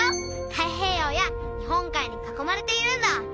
太平洋や日本海に囲まれているんだ。